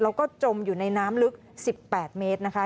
แล้วก็จมอยู่ในน้ำลึก๑๘เมตรนะคะ